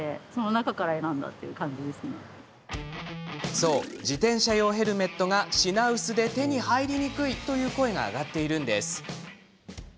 そう、自転車用ヘルメットが品薄で手に入りにくいという声が上がっているんです。